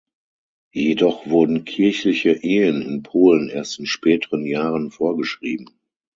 Jedoch wurden kirchliche Ehen in Polen erst in späteren Jahren vorgeschrieben.